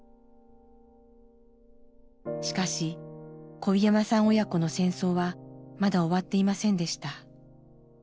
しかし小檜山さん親子の戦争はまだ終わっていませんでした。